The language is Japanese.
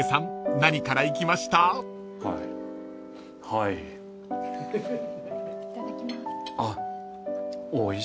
はい。